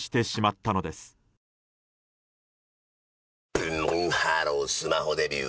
ブンブンハロースマホデビュー！